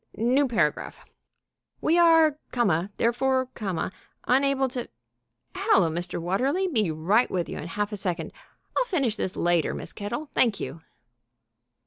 New paragraph. "We are, comma, therefore, comma, unable to ... hello, Mr. Watterly, be right with you in half a second.... I'll finish this later, Miss Kettle ... thank you."